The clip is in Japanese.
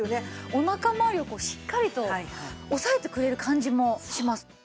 お腹まわりをしっかりと押さえてくれる感じもします。